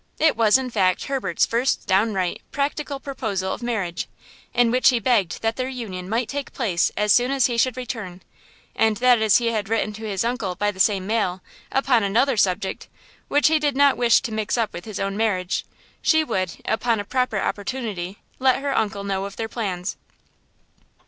It was in fact Herbert's first downright, practical proposal of marriage, in which he begged that their union might take place as soon as he should return, and that as he had written to his uncle by the same mail, upon another subject, which he did not wish to mix up with his own marriage, she would, upon a proper opportunity, let her uncle know of their plans.